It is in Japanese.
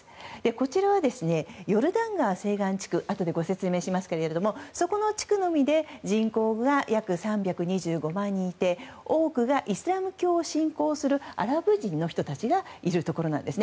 こちらは、ヨルダン川西岸地区あとでご説明しますけどもそこの地区のみで人口が約３２５万人いて多くがイスラム教を信仰するアラブ人の人たちがいるところなんです。